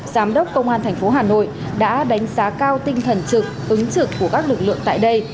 giám đốc công an thành phố hà nội đã đánh giá cao tinh thần trực ứng trực của các lực lượng tại đây